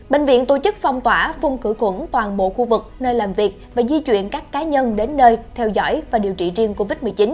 bệnh viện tổ chức phong tỏa phung khử khuẩn toàn bộ khu vực nơi làm việc và di chuyển các cá nhân đến nơi theo dõi và điều trị riêng covid một mươi chín